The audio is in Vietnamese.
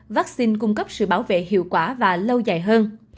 vaccine cung cấp sự bảo vệ hiệu quả và lâu dài hơn